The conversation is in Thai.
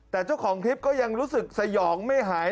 แต่เจ้าของคลิปก็ยังรู้สึกสยองไม่หาย